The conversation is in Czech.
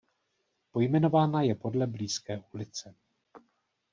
Pojmenována je podle blízké ulice.